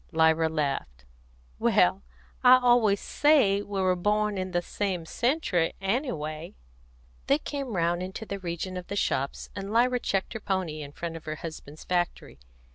Lyra laughed. "Well, I always say we were born in the same century, _any_way." They came round into the region of the shops, and Lyra checked her pony in front of her husband's factory.